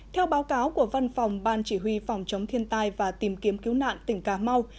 theo báo cáo của văn phòng ban chỉ huy phòng chống thiên tai và tìm kiếm cứu nạn tỉnh cà mau